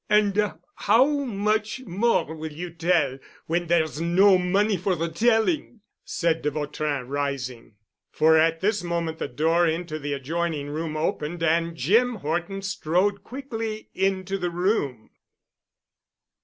"And how much more will you tell when there's no money for the telling?" said de Vautrin, rising. For at this moment the door into the adjoining room opened and Jim Horton strode quickly into the room.